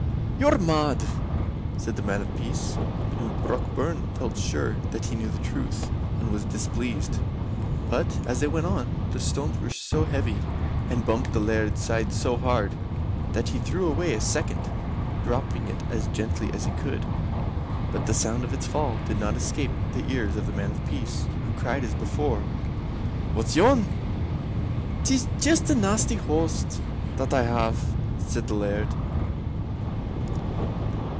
"You're mad," said the Man of Peace, and Brockburn felt sure that he knew the truth, and was displeased. But as they went on, the stones were so heavy, and bumped the Laird's side so hard, that he threw away a second, dropping it as gently as he could. But the sound of its fall did not escape the ears of the Man of Peace, who cried as before: "What's yon?" "It's jest a nasty hoast that I have," said the Laird.